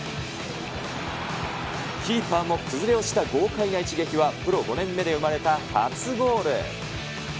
キーパーも崩れ落ちた豪快な一撃は、プロ５年目で生まれた初ゴール。